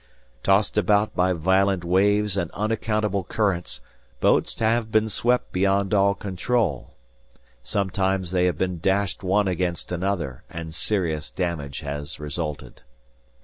"Tossed about by violent waves and unaccountable currents, boats have been swept beyond all control. Sometimes they have been dashed one against another, and serious damage has resulted.